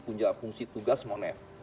punya fungsi tugas monet